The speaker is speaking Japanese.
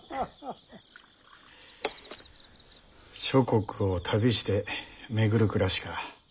諸国を旅して巡る暮らしか。